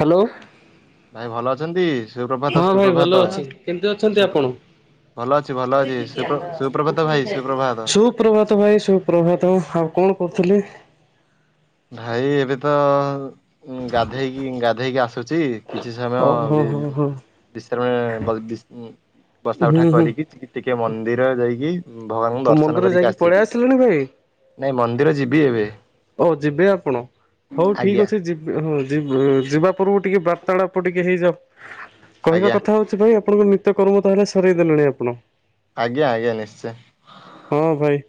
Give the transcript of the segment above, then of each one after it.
Hello. ଭାଇ ଭଲ ଅଛନ୍ତି। ସୁପ୍ରଭାତ ହଁ ଭାଇ ସୁପ୍ରଭାତ। ଭଲ ଅଛି କେମିତି ଅଛନ୍ତି ସୁ ଆପଣ? ଭଲ ଅଛି ଭଲ ଅଛି ସୁପ୍ର ସୁପ୍ରଭାତ ଭାଇ ସୁପ୍ ସୁପ୍ରଭାତ। ସୁପ୍ରଭାତ ଭାଇ ସୁପ୍ରଭାତ ଆଉ କଣ କରୁଥିଲେ। ଭାଇ ଏବେ ତ ଗାଧେଇକି ଗାଧେଇକି ଆସୁଛି। କିଛି ସମୟ ଓ ହୋ ହୋ ହୋ। [unintelligible] ବସା ହୁଁ ଉଠା ହୁଁ କରିକି ଟିକିଏ ମନ୍ଦିର ଯାଇକି ଭଗବାନଙ୍କୁ ଆଉ ଦର୍ଶନ ମନ୍ଦିର କରିକି ଯାଇକି ପଳେଇ ଆସିବି। ଆସିଲେଣି ଭାଇ ନାଇଁ ମନ୍ଦିର ଯିବି ଏବେ। ଓ ଯିବେ ଆପଣ ହଉ ଠିକ ଆଜ୍ଞା ଅଛି ଯି ହଁ ଯି ଯିବା ପୂର୍ବରୁ ଟିକେ ବାର୍ତାଳାପ ଟିକେ ହେଇଯାଉ କହିବା ଆଜ୍ଞା କଥା ହଉ ସେଥିପାଇଁ ଆପଣଙ୍କ ନିତ୍ୟ କର୍ମ ତାହେଲେ ସରେଇ ଦେଲେଣି ଆପଣ। ଆଜ୍ଞା ଆଜ୍ଞା ନିଶ୍ଚୟ। ହଁ ଭାଇ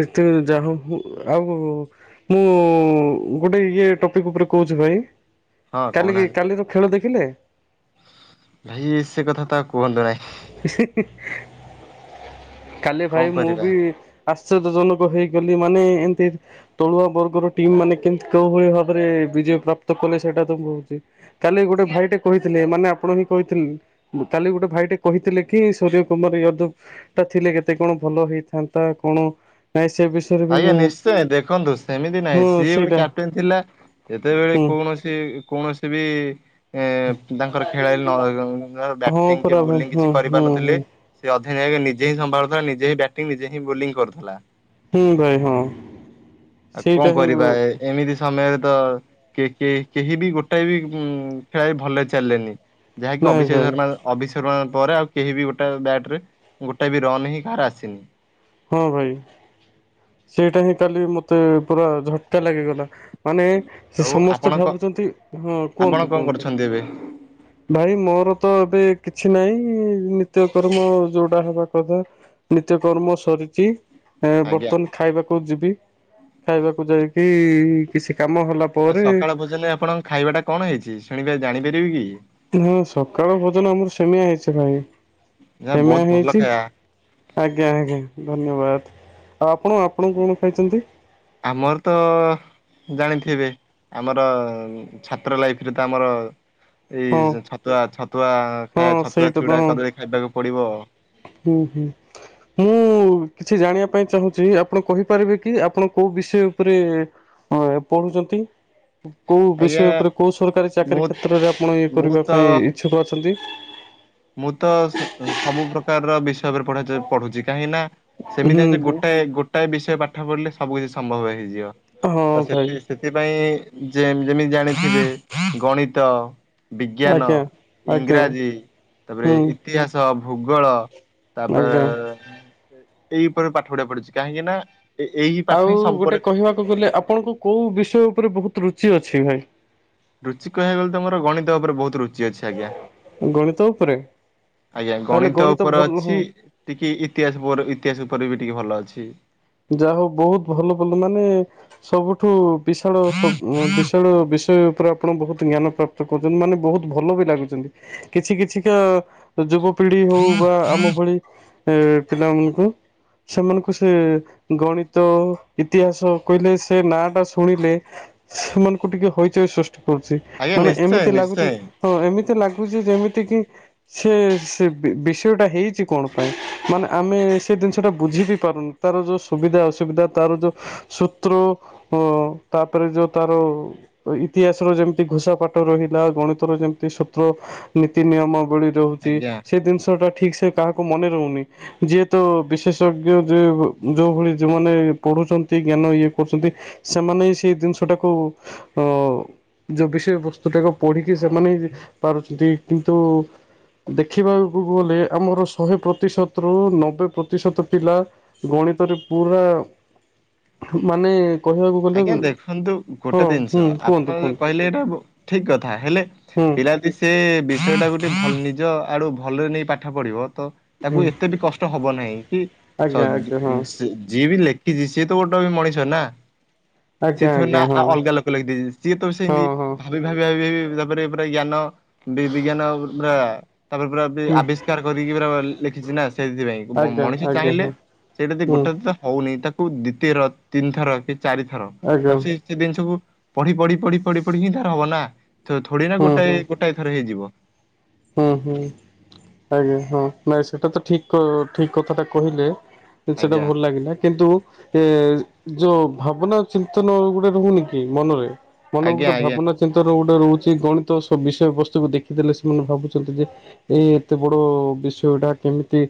ନିତ୍ୟ ଯା ହଉ ଆଉ ମୁଁ ଗୋଟେ ଇଏ ଟପିକ ଉପରେ କହୁଛି ଭାଇ। ହଁ କାଲି କି କହୁନାହାନ୍ତି। କାଲିର ଖେଳ ଦେଖିଲେ? ଭାଇ ସେ କଥା ତ ଆଉ କୁହନ୍ତୁ ନାହିଁ। କାଲି କଣ ଭାଇ ମୁଁ କରିବା ବି ଆଶ୍ଚର୍ଯ୍ୟଜନକ ହେଇଗଲି ମାନେ ଏମତି ତଳୁଆ ବର୍ଗର ଟିମ୍ ମାନେ କେମତି କୋଉ ଭଳିଆ ଭାବରେ ବିଜୟ ପ୍ରାପ୍ତ କଲେ ସେଇଟା ତ ମୁଁ ଛି। କାଲି ଗୋଟେ ଭାଇଟେ କହିଥିଲେ ମାନେ ଆପଣ ହିଁ କହିଥି କାଲି ଗୋଟେ ଭାଇଟେ କହିଥିଲେ କି ସୂର୍ଯ୍ୟ କୁମାର ୟାଦବ ଟା ଥିଲେ କେତେ କଣ ଭଲ ହେଇଥାନ୍ତା କଣ ନାଇଁ ସେ ବିଷୟ ଆଜ୍ଞା ନିଶ୍ଚୟ ଦେଖନ୍ତୁ ସେମିତି ନାହିଁ ହଁ ସିଏ ଗୋଟେ ସେଇଟା କ୍ୟାପଟେନ୍ ଥିଲା ଯେତେବେଳେ ହୁଁ କୌଣସି ସେ କୌଣସି ବି ଏ ତାଙ୍କର ଖେଳାଳି ନହେ ନ ହଁ ବ୍ୟାଟିଂ କି ପରା ଭାଇ ବୋଲିଂ ହଁ କିଛି ହଁ ହଁ କରିପାରୁନଥିଲେ। ସେ ଅଧିନାୟକ ନିଜେ ହିଁ ସମ୍ଭାଳୁଥିଲା ନିଜେ ବ୍ୟାଟିଙ୍ଗ ନିଜେ ହିଁ ବୋଲିଙ୍ଗ କରୁଥିଲା। ହୁଁ ଭାଇ ହଁ। ଆଉ କଣ ସେଇଟା ହିଁ କରିବା ଏ ଏମିତି ସମୟରେ ତ କେ କେ କେହି ବି ଗୋଟାଏ ବି ଉ ଖେଳାଳି ଭଲରେ ଚାଲେନି। ଯାହାକି ନାଇଁ ଅଭିଷେକ ଭାଇ ଶର୍ମା। ଅଭି ଶର୍ମା ପରେ ଆଉ କେହି ବି ଗୋଟେ ବ୍ୟାଟ ରେ ଗୋଟେ ବି ରନ୍ ହିଁ କାହାର ଆସିନି। ହଁ ଭାଇ ସେଇଟା ହିଁ କାଲି ମତେ ପୁରା ଝଟକା ଲାଗିଗଲା। ମାନେ ସେ ଆଉ ଆପଣ ସମସ୍ତେ କ ଭାବୁଛନ୍ତି ହଁ ଆପଣ କୁହନ୍ତୁ କଣ କୁହନ୍ତୁ। କରୁଛନ୍ତି ଏବେ? ଭାଇ ମୋର ତ ଏବେ କିଛି ନାହିଁ ନିତ୍ୟକର୍ମ ଯୋଉଟା ହେବା କଥା। ନିତ୍ୟକର୍ମ ସରିଛି ଏ ଆଜ୍ଞା ବର୍ତ୍ତମାନ ଖାଇବାକୁ ଯିବି ଖାଇବାକୁ ଯାଇକି କିଛି କାମ ହେଲା ଆଉ ପରେ ସକାଳ ଭୋଜନରେ ଆପଣଙ୍କ ଖାଇବା ଟା କଣ ହେଇଛି ଶୁଣିବେ ଜାଣିପାରିବି କି। ହଁ ସକାଳ ଭୋଜନ ଆମର ସେମିଆ ହେଇଛି ଭାଇ ଯାହା ସେମିଆ ବହୁତ ଭଲ ହେଇଛି ଖାଇବା ଆଜ୍ଞା ଆଜ୍ଞା ଧନ୍ୟବାଦ ଆପଣ ଆପଣ କଣ ଖାଇଛନ୍ତି। ଆମର ତ ଜାଣିଥିବେ ଆମର ଛାତ୍ର ଲାଇଫ ରେ ତ ଆମର ଏଇ ହଁ ଛତୁଆ ଛତୁଆ ହଁ ଖାଇ ଛତୁଆ ସେଇଟା ତ ଚୁଡା ହଁ କଦଳୀ ଖାଇବାକୁ ପଡିବ। ହୁଁ ହୁଁ। ମୁଁ କିଛି ଜାଣିବା ପାଇଁ ଚାହୁଁଛି ଆପଣ କହିପାରିବେ କି ଆପଣ କୋଉ ବିଷୟ ଉପରେ ଏ ପଢ଼ୁଛନ୍ତି। କୋଉ ଆଜ୍ଞା ବିଷୟ ଉପରେ କୋଉ ସରକାରୀ ମୁଁ ଚାକିରୀ କ୍ଷେତ୍ରରେ ଆପଣ ଇଏ ମୁଁ କରିବା ତ ପାଇଁ ଇଚ୍ଛୁକ ଅଛନ୍ତି? ମୁଁ ତ ସ ସବୁ ପ୍ରକାରର ବିଷୟ ଉପରେ ପଢ଼ି ପଢ଼ୁଛି କାହିଁକିନା ହୁଁ ସେମିତି ହଉନି ଯେ ଗୋଟାଏ ଗୋଟାଏ ବିଷୟ ପାଠ ପଢ଼ିଲେ ସବୁ କିଛି ସମ୍ଭବ ହେଇଯିବ ହଁ ତ ଭାଇ ସେତି ସେ ଥିପାଇଁ ଯେ ଯେମିତି ଜାଣିଥିବେ ଗଣିତ ବିଜ୍ଞାନ, ଆଜ୍ଞା ଆଜ୍ଞା ଇଂରାଜୀ ତାପରେ ହୁଁ ଇତିହାସ ଭୂଗୋଳ ତାପ ଆଜ୍ଞା। ଏଇ ଉପରେ ପାଠ ପଢ଼ିବାକୁ ପଡ଼ୁଚି କାହିଁକିନା ଆଉ ଗୋଟେ କହିବାକୁ ଗଲେ ଆପଣଙ୍କୁ କୋଉ ବିଷୟ ଉପରେ ବହୁତ ରୁଚି ଅଛି ଭାଇ? ରୁଚି କହିବାକୁ ଗଲେ ତ ମୋର ଗଣିତ ଉପରେ ବହୁତୁ ରୁ ଚି ଅଛି ଆଜ୍ଞା ଗଣିତ ଉପରେ ଆଜ୍ଞା ତାହେଲେ ଗଣିତ ଓପରେ ଭଲ ହଁ ଅଛି। ଟିକେ ଇତିହାସ ବୋର ଇତିହାସ ଉପରେ ବି ଟିକେ ଭଲ ଅଛି। ଯାହା ହଉ ବହୁତ ଭଲ ଭଲ ମାନେ ସବୁଠୁ ବିଶାଳ ସ ବିଶାଳ ବିଷୟ ଉପରେ ଆପଣ ବହୁତ ଜ୍ଞାନ ପ୍ରାପ୍ ପ୍ତ କରୁଛନ୍ତି ମାନେ ବହୁତ ଭଲ ବି ଲାଗୁଚନ୍ତି। କିଛି କିଛିକା ଯୁବପିଢ଼ି ହଉ ବା ଆମ ଭଳି ଏ ପିଲାମାନଙ୍କୁ ସେମାନଙ୍କୁ ସେ ଗଣିତ ଇତିହାସ କହିଲେ ସେ ନାଁ ଟା ଶୁଣିଲେ ସେମାନଙ୍କୁ ଟିକେ ହଇଚଇ ସୃଷ୍ଟି କରୁଛି ଆଜ୍ଞା ମାନେ ନିଶ୍ଚୟ ଏମିତି ଲାଗୁଚି ନିଶ୍ଚୟ ହଁ ଏମିତି ଲାଗୁଛି ଯେମିତି କି ସେ ସେ ବି ବିଷୟ ଟା ହେଇଛି କଣ ପାଇଁ ମାନେ ଆମେ ସେ ଦିନିଷଟା ବୁଝି ବି ପାରୁନୁ। ତାର ଯୋଉ ସୁବିଧା ଅସୁବିଧା ତାର ଯୋଉ ସୂତ୍ରୁ ଅ ତାପରେ ଯୋଉ ତାର ଇତିହାସର ଯେମିତି ଘୋଷା ପାଠ ରହିଲା ଗଣିତ ର ଯେମିତି ସୂତ୍ର ନୀତି ନିୟମ ଭଳି ରହୁଛି ଆଜ୍ଞା ସେ ଦିନିଷ ଟା ଠିକ୍ ସେ କାହାକୁ ମନେ ରହୁନି ଯିଏତ ବିଶେଷଜ୍ଞ ଯ ଯୋଉ ଭଳି ଯେଉମାନେ ପଢ଼ୁଛନ୍ତି ଜ୍ଞାନ ଇଏ କରୁଛନ୍ତି ସେମାନେ ହିଁ ସେଇ ଜିନିଷଟାକୁ ଓ। ଯୋ ବିଷୟବସ୍ତୁ ଟାକୁ ପଢ଼ିକି ସେମାନେ ହି ପାରୁଛନ୍ତି କିନ୍ତୁ ଦେଖିବାକୁ ଗଲେ ଆମର ଶହେ ପ୍ରତିଶତରୁ ନବେ ପ୍ରତିଶତ ପିଲା ଗଣିତରେ ପୁରା ମାନେ କହିବାକୁ ଗଲେ ଆଜ୍ଞା ଦେଖନ୍ତୁ ହଁ ଗୋଟେ ହୁଁ ଦିନିଷ କୁହନ୍ତୁ ଆପଣ କୁହନ୍ତୁ କହିଲେ ଏଇଟା ଠିକ କଥା ହେଲେ ହୁଁ। ପିଲାଦି ସେ ବିଷୟଟାକୁ ଟେ ନିଜ ଆଡ଼ୁଭଲରେ ନେଇ ପାଠ ପଢ଼ିବ ତ ହୁଁ ତାକୁ ଏତେ ବି କଷ୍ଟ ହବ ନାହିଁ କି ଆଜ୍ଞା ଆଜ୍ଞା ହଁ ସ ଯିଏ ବି ଲେ ଖିଚି ସିଏତ ଗୋଟେ ବି ମଣିଷ ନା। ଆଜ୍ଞା ସିଏଥରେ ନା ଆଜ୍ଞା ହଁ ଆଉ ଅଲଗା ଲୋକ ଲାଗି ଦେଇଛି ସିଏ ତ ହଁ ସେମିତି ହଁ ଭାବି ଭାବି ଭି ତାପରେ ପୁରା ଜ୍ଞାନ ବି ବିଜ୍ଞାନ ପୁରା ତାପରେ ପୁରା ବେ ହୁଁ ଆବିଷ୍ କାର କରିକି ପରା ଲେଖିଛି ନା ସେଇଥିପାଇଁ ବ ଆଜ୍ଞା ମଣିଷ ଆଜ୍ଞା ଚାହିଁଲେ ହଁ ସିଏ ଦି ହୁଁ ଗୋଟେ ତ ହଉନି ତାକୁ ଦିତୀୟର ତିନିଥର କି ଚାରିଥର ଆଜ୍ଞା ତାକୁ ସେ ସେ ଜିନିଷକୁ ପଢ଼ି ପଢ଼ି ପଢ଼ି ପଢ଼ି ପଢ଼ି ହିଁ ତାର ହବ ନା ଥୋ ଥୋଡ଼ି ନା ହୁଁ ଗୋଟଏ ହୁଁ ଗୋଟାଏ ଥରେ ହେଇଯିବ। ହୁଁ ହୁଁ ଆଜ୍ଞା ହଁ ନାଇ ସେଟା ତ ଠିକ କ ଠିକ କଥାଟା କହିଲେ। ସେଟା ଆଜ୍ଞା ଭଲ ଲାଗିଲା କିନ୍ତୁ ଏ ଯୋଉ ଭାବନା ଚିନ୍ତନ ଗୋଟେ ରହୁନି କି ମନରେ ମନକୁ ଆଜ୍ଞା ଗୋଟେ ଆଜ୍ଞା ଭାବନା ଚିନ୍ତନ ଗୋଟେ ରହୁଛି ଗଣିତ ସବୁ ବିଷୟବସ୍ତୁ କୁ ଦେଖିଦେଲେ ସେମାନେ ଭାବୁଛନ୍ତି ଯେ ଏଇ ଏତେ ବଡ଼ ବିଷୟଟା କେମିତି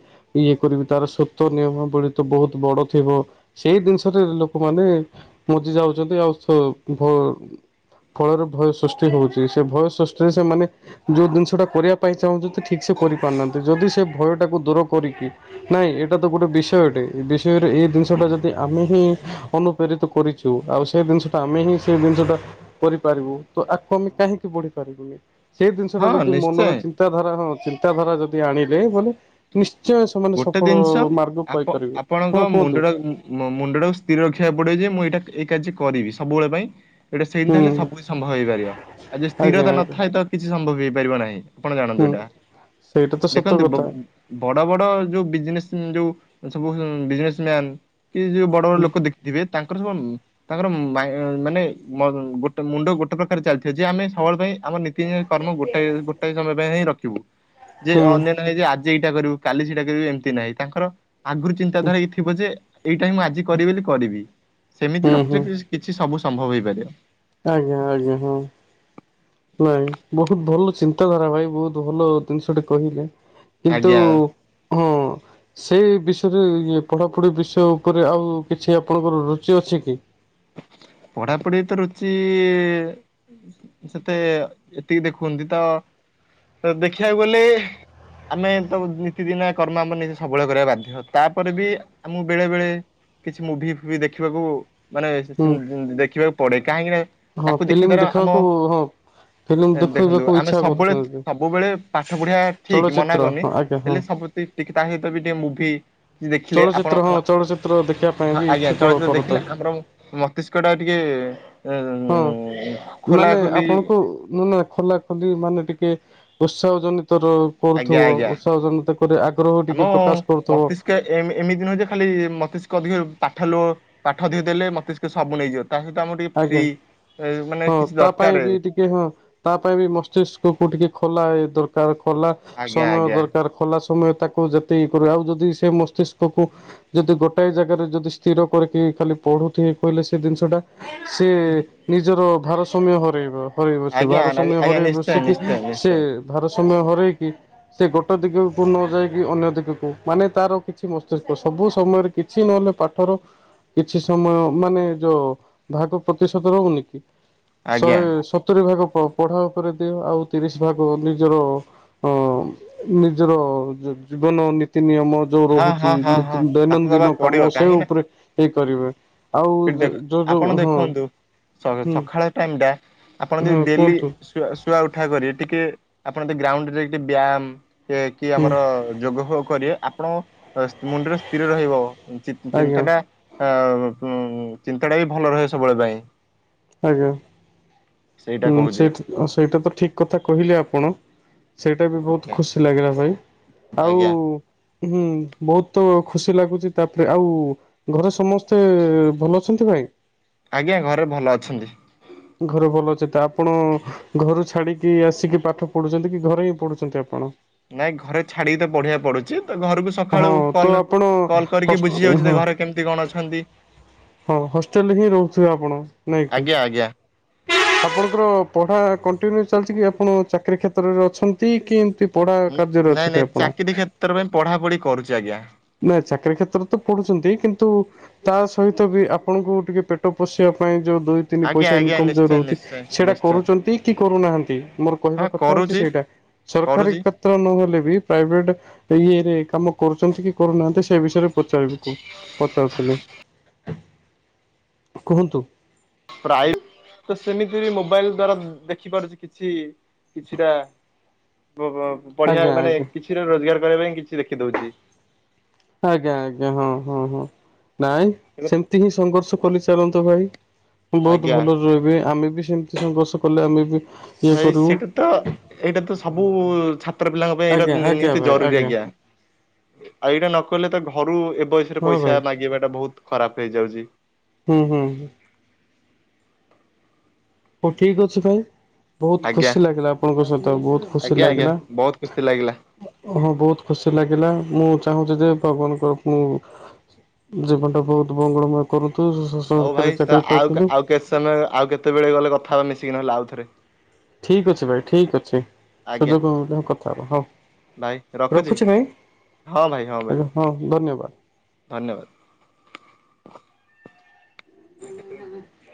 ଇଏ କରିବି ତାର ସତ ନିୟମାବଳୀ ତ ବହୁତ ବଡ଼ ଥିବ। ସେଇ ଜିନିଷଟାରେ ଲୋକମାନେ ମଜି ଯାଉଛନ୍ତି ଆଉ ସ ଭ ଫଳରେ ଭୟ ସୃଷ୍ଟି ହଉଛି ସେ ଭୟ ସୃଷ୍ଟିରେ ସେମାନେ ଯୋଉ ଜିନିଷ ଜଉଟା କରିବା ପାଇଁ ଚାହୁଁଛନ୍ତି ଠିକ୍ ସେ କରିପାରୁନାହାନ୍ତି ଯଦି ସେ ଭୟଟାକୁ ଦୂର କରିକି ନାଇଁ ଏଇଟା ତ ଗୋଟେ ବିଷୟଟେ ଏ ବିଷୟରେ ଏଇ ଜିନିଷ ଟା ଯଦି ଆମେ ହିଁ ଅନୁପ୍ରେରିତ କରିଛୁ ଆଉ ସେ ଜିନିଷଟା ଆମେ ହିଁ ସେ ଜିନିଷଟା କରିପାରିବୁ ତ ଆକୁ ଆମେ କାହିଁକି ବଢି ପାରିବୁନି। ସେଇ ଜିନିଷ ଟା ହଁ ଯଦି ନିଶ୍ଚୟ ମନରେ ଚିନ୍ତାଧାରା ହଁ ଚିନ୍ତାଧାରା ଯଦି ଆଣିଲେ ବୋଲି ନିଶ୍ଚୟ ସେମାନେ ଗୋଟେ ସଫଳ ଜିନିଷ ମାର୍ଗ ପାଇ ପାରିବେ ହଁ କୁହନ୍ତୁ। ମୋ ମୁଣ୍ଡ ଟାକୁ ସ୍ଥିର ରଖିବାକୁ ପଡିବ ଯେ ମୁଁ ଏଇଟା ଏଇ କାର୍ଯ୍ୟ କରିବି ସବୁବେଳେ ପାଇଁ ଏଇଟା ସେଇନ୍ତା ହୁଁ ହେଲେ ସବୁକିଛି ସମ୍ଭବ ହେଇପାରିବ ଆଉ ଯଦି ଆଜ୍ଞା ସ୍ଥିରତା ଆଜ୍ଞା ନଥାଏ ତ କିଛି ସମ୍ଭବ ହେଇପାରିବ ନାହିଁ। ଆପଣ ଜାଣନ୍ତୁ ହୁଁ ଏଇଟା ସେଇଟା ତ ସତ ଦେଖନ୍ତୁ କଥା ବବ୍ ବଡ ବଡ ଯୋଉ ବିଜନେସ ଯୋଉ ସବୁ ବିଜନେସ ମ୍ୟାନ କି ଯୋଉ ବଡ ବଡ ହୁଁ। ଲୋକ ଦେଖ୍ ଦିବେ ତାଙ୍କର ସବୁ ତାଙ୍କର ମାଇଁ ମାନେ ମ ଗୋଟେ ମୁଣ୍ଡ ଗୋଟେ ପ୍ରକାର ଚାଲିଥିବ ଯେ ଆମେ ସବେଳ ପାଇଁ ଆମର କି କର୍ମ ଗୋଟା ଗୋଟାଏ ସମୟ ପାଇଁ ହିଁ ରଖିବୁ ଯେ ହୁଁ। ଅନ୍ୟାନ୍ୟ ହେଇ ଆ ଜି ଏଇଟା କରିବୁ କାଲି ସେଇଟା କରିବୁ ଏମିତି ନାହିଁ ତାଙ୍କର ଆଗରୁ ଚିନ୍ତାଧାରା ହେଇଥିବ ଯେ ଏଇଟା ହିଁ ମୁଁ ଆଜି କରିବେ ବୋଲି କରିବି ସେମିତି ହୁଁ ହୁଁ ରଖିଲେ କି କିଛି ସବୁ ସମ୍ଭବ ହେଇପାରିବ। ଆଜ୍ଞା ଆଜ୍ଞା ହଁ। ନାଇଁ ବହୁତ ଭଲ ଚିନ୍ତାଧାରା ଭାଇ ବହୁତ ଭଲ ଜିନିଷ ଟେ କହିଲେ। କିନ୍ତୁ ଆଜ୍ଞା। ହୁଁ। ସେଇ ବିଷୟରେ ଇଏ ପଢାପଢି ବିଷୟ ଉପରେ ଆଉ କିଛି ଆପଣଙ୍କର ରୁଚି ଅଛି କି? ପଢାପଢି ତ ରୁଚି ସେତେ ଏତିକି ଦେଖୁନ୍ତି ତ ଦେଖିବାକୁ ଗଲେ। ଆମେ ତ ନିୀତିଦିିନଆ କର୍ମ ଆମର ନିଜ ସବେଳେ କରିବା ବାଧ୍ୟ ତାପରେ ବି ଆମୁଁ ବେଳେ ବେଳେ କିଛି ମୁଭି ଫୁଭି ଦେଖିବାକୁ ମାନେ ହୁଁ ଦେଖିବାକୁ ପଡେ କାହିଁକି ନା ହଁ ତାକୁ ଦେଖିବା ଫିଲ୍ମ ଦ୍ଵାରା ଆମ ଦେଖିବାକୁ ହଁ ଫିଲ୍ମ ଦେଖନ୍ତୁ ଦେଖେଇବାକୁ ଆମେ ଇଚ୍ଛା ସବୁବେଳେ କରୁଛନ୍ତି। ସବୁବେଳେ ପାଠ ପଢିବା ଠିକ ମନା ଚଳଚ୍ଚିତ୍ର କରୁନି ହଁ ଆଜ୍ଞା ହଁ। ହେଲେ ସବୁ ଟି ଟିକେ ତା ସହିତ ବି ଟିକେ ମୁଭି କି ଦେଖିଲେ ଆପଣ ଚଳଚ୍ଚିତ୍ର ହଁ ଚଳଚ୍ଚିତ୍ର ଦେଖିବା ପାଇଁ ହଁ ବି ଆଜ୍ଞା ଇଚ୍ଛୁକ ଚଳଚିତ୍ର କରତ ଦେଖିଲେ ବରଂ ମସ୍ତିଷ୍କ ଟା ଟିକେ ହଁ ଖୋଲା ମାନେ ଖୋଲି ଆପଣଙ୍କୁ ନ ନା ଖୋଲା ଖଲି ମାନେ ଟିକେ ଉତ୍ସାହ ଜନିତର ଆଜ୍ଞା କରୁଥୁବ ଆଜ୍ଞା ଉତ୍ସାହ ଜନିତ କରି ଆଗ୍ରହ ଆମ ଟିକେ ପ୍ରକାଶ କରୁଥୁବ। [unintelligible] ଏମିତି ନୁହେଁ ଯେ ଖାଲି ମତିଷ୍କ ଅଧିକ ପାଠ ଲୁ ପାଠ ଅଧିକ ଦେଲେ ମତିଷ୍କ ସବୁ ନେଇଯିବ। ତା ସହିତ ଆମର ଟିକେ ଫ୍ରି ଆଜ୍ଞା। ଏ ମାନେ ହଁ କିଛି ତା ପାଇଁ ଦରକାର। ବି ଟିକେ ହଁ ତା ପାଇଁ ବି ମସ୍ତିଷ୍କକୁ ଟିକେ ଖୋଲା ଏ ଦରକାର ଖୋଲା ଆଜ୍ଞା ସମୟ ଆଜ୍ଞା ଦରକାର। ଖୋଲା ସମୟ ତାକୁ ଯେତେ ଇ କର ଆଉ ଯଦି ସେ ମସ୍ତିଷ୍କକୁ ଯଦି ଗୋଟାଏ ଜାଗାରେ ଯଦି ସ୍ଥିର କରିକି ଖାଲି ପଢୁଥିବ କହିଲେ ସେ ଜିନିଷଟା ସିଏ ନିଜର ଭାରସାମ୍ୟ ହରେଇବ। ହରେଇ ବସିବ ଆଜ୍ଞା ଭାର ସମୟ ଆଜ୍ଞା ହରେଇ ନିଶ୍ଚୟ ବସିକି ନିଶ୍ଚୟ ସେ ନିଶ୍ଚୟ ଭାର ସମୟ ହରେଇକି ସେ ଗୋଟେ ଦିଗକୁ ନ ଯାଇକି ଅନ୍ୟ ଦିଗକୁ ମାନେ ତାର କିଛି ମସ୍ତିଷ୍କ ସବୁ ସମୟରେ କିଛି ନହେଲେ ପାଠ [unintelligible] କିଛି ସମୟ ମାନେ ଯୋଉ ବାହାକୁ ପ୍ରତିଶତ ରହୁନି କି ଆଜ୍ଞା। ଶହେ ସ ସତୁରି ଭାଗ ପ-ପଢ଼ା ଉପରେ ଦିଅ ଆଉ ତିରିଶ ଭାଗ ନିଜର ଅ ନିଜର ଜୀବନ ନୀତି ନିୟମ ଯୋଉ ହଁ ରହୁଛି ହଁ ହଁ ହଁ [unintelligible] ତାକୁ ଦୈନନ୍ଦିନ ଦବାକୁ ପଡିବ କାମ ସେ କାହିଁକି ନା ଉପରେ ଇ କରିବେ ଆଉ ସେଠି ଯ ଦେଖ ଯଉ ଆପଣ ଦେଖନ୍ତୁ ସ-ସକାଳ ଟାଇମ ଟା ଆପଣ ହଁ ଯଦି ଡେଲି କୁହନ୍ତୁ ଶୁଆ ଶୁଆଉଠା କରି ଟିକେ ଆପଣ ଗ୍ରାଉଣ୍ଡ ରେ ଯାଇକି ଟିକେ ବ୍ୟାମ ସେ କି ହୁଁ ଆମର ଯୋଗଫୋଗ କରିବେ ଆପଣ ମୁଣ୍ଡରେ ସ୍ଥିର ରହିବ। ଆଜ୍ଞା ଚି-ଚିନ୍ତାଟା ଆଃ ଚିନ୍ତାଟା ବି ଭଲ ରହେ ସବୁବେଳେ ପାଇଁ। ଆଜ୍ଞା ସେଇଟା ହଁ ସେ କହୁଛି ସେଇଟା ତ ଠିକ କଥା କହିଲେ ଆପଣ। ସେଇଟା ବି ବହୁତ ଆଜ୍ଞା ଖୁସି ଲାଗିଲା ଭାଇ ଆଉ ଆଜ୍ଞା ହୁଁ ବହୁତ ଖୁସି ଲାଗୁଛି ତାପରେ ଆଉ ଘରେ ସମସ୍ତେ ଭଲ ଅଛନ୍ତି ଭାଇ? ଆଜ୍ଞା ଘରେ ଭଲ ଅଛନ୍ତି। ଘରେ ଭଲ ଅଛି, ତ ଆପଣ ଘରୁ ଛାଡିକି ଆସିକି ପାଠ ପଢୁଛନ୍ତି କି ଘରେ ହିଁ ପଢୁଛନ୍ତି ଆପଣ? ନାଇଁ ଘରେ ଛାଡିକି ତ ପଢିବା ପଡୁଛି ତ ଘରକୁ ହଁ ସକାଳୁ ତ କଲ ଆପଣ କଲ କରିକି ହସ ବୁଝି ଯାଉଛି ହଁ ଯେ ଘରେ କେମିତି କଣ ଅଛନ୍ତି। ହଁ ହଷ୍ଟେଲରେ ହିଁ ରହୁଥିବେ ଆପଣ ନାଇଁକି। ଆଜ୍ଞା ଆଜ୍ଞା। ଆପଣଙ୍କର ପଢ଼ା କଣ୍ଟିନ୍ୟୁ ଚାଲିଛି କି ଆପଣ ଚାକିରୀ କ୍ଷେତ୍ରରେ ଅଛନ୍ତି, କି ଏମିତି ପଢା କାର୍ଯ୍ୟରେ ଅଛନ୍ତି ଆପଣ। ତର ପାଇଁ ପଢା ପଢି କରୁଛି ଆଜ୍ଞା। ନା ଚାକିରୀ କ୍ଷେତ୍ରରେ ତ ପଢୁଛନ୍ତି କିନ୍ତୁ ତା ସହିତ ବି ଆପଣଙ୍କୁ ଟିକେ ପେଟ ପୋଷିବା ପାଇଁ ଯୋଉ ଦୁଇ ତିନି ଆଜ୍ଞା ପଇସା ଆଜ୍ଞା ଇନକମ ଜୋଉ ନିଶ୍ଚୟ ରହୁଛି ନିଶ୍ଚୟ ସେଇଟା ନିଶ୍ଚୟ କରୁଛନ୍ତି, କି କରୁନାହାନ୍ତି, ମୋର ହଁ କହିବା କଥା ହଉଛି କରୁଛି ସେଇଟା। ସରକାରୀ କରୁଛି କ୍ଷେତ୍ର ନହେଲେ ବି ପ୍ରାଇଭେଟ ଇଏରେ କାମ କରୁଛନ୍ତି କି? କରୁନାହାନ୍ତି ସେ ବିଷୟରେ ପଚାରିବି ପଚାରୁଥିଲି? କୁହନ୍ତୁ। ପ୍ରାୟ ତ ସେମିତି ବି ମୋବାଇଲ ଦ୍ଵାରା ଦେଖିପାରୁଛି କିଛି କିଛିଟା ପଢିଆ ଆଜ୍ଞା ମାନେ ଆଜ୍ଞା କିଛିଟା ରୋଜଗାର କରିବା ପାଇଁ କିଛି ଦେଖିଦଉଛି। ଆଜ୍ଞା ଆଜ୍ଞା ହଁ ହଁ ହଁ ନାଇଁ। ସେମିତି ହିଁ ସଂଘର୍ଷ କରିଚାଲନ୍ତୁ ଭାଇ ବହୁତ ଆଜ୍ଞା ଭଲରେ ରହିବେ ଆମେ ବି ସେମତି କି ସଂଘର୍ଷ କଲେ ଆମେ ବି ଇଏ ଭାଇ କରିବୁ ସେଇଟା ତ ଏଇଟା ତ ସବୁ ଛାତ୍ର ପିଲାଙ୍କ ପାଇଁ ଏଇଟା ଆଜ୍ଞା ଆଜ୍ଞା ନିହାତି ଭାଇ ଜରୁରୀ ଆଜ୍ଞା। ଆଉ ଏଇଟା ନକଲେ ତ ଘରୁ ଏ ବୟସରେ ହଁ ପଇସା ଭାଇ ମାଗିବା ଟା ବହୁତ ଖରାପ ହେଇଯାଉଛି। ହୁଁ ହୁଁ ହୁଁ। ହଉ ଠିକ ଅଛି ଭାଇ। ବହୁତ ଆଜ୍ଞା ଖୁସି ଲାଗିଲା ଆପଣଙ୍କ ସହିତ ବହୁତ ଖୁସି ଆଜ୍ଞା ଆଜ୍ଞା ଲାଗିଲା। ବହୁତ ଖୁସି ଲାଗିଲା। ହଁ ବହୁତ ଖୁସି ଲାଗିଲା ମୁଁ ଚାହୁଁଛି ଯେ [unintelligible] ଜୀବନ ଟା ବହୁତ ମଙ୍ଗଳମୟ କରୁନ୍ତୁ ସରକାରୀ ଚାକିରି ପାଇଥାନ୍ତୁ। ସେମେ ଆଉ କେତେବେଳେ ଗଲେ କଥା ହେବା ମିଶିକି ନହେଲେ ଆଉଥରେ। ଠିକ୍ ଅଛି ଭାଇ ଠିକ୍ ଅଛି। ଆଜ୍ଞା ସୁଯୋଗ ହଉ କଥା ହବା ହଉ ରଖୁଛି ଭାଇ। ହଁ ଭାଇ ହଉ। ଆଜ୍ଞା ହଁ ଧନ୍ୟବାଦ। ଧନ୍ୟବାଦ। ହୁଁ ଉଁ ଉଁ।